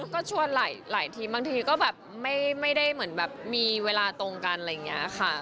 ก็ชวนหลายทีมบางทีก็แบบไม่ได้เหมือนแบบมีเวลาตรงกันอะไรอย่างนี้ค่ะ